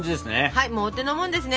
はいもうお手のもんですね。